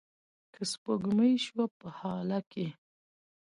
که سپوږمۍ شوه په هاله کې